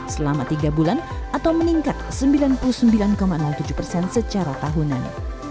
selama tiga bulan atau meningkat sembilan puluh sembilan tujuh persen secara tahunan